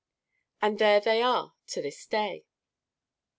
And there they are to this day.